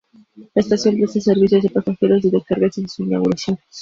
La estación presta servicios de pasajeros y de cargas desde su inauguración.